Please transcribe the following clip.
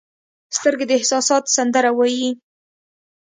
سترګې د احساسات سندره وایي